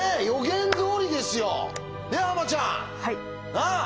なあ？